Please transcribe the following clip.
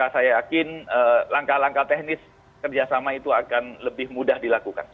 saya yakin langkah langkah teknis kerjasama itu akan lebih mudah dilakukan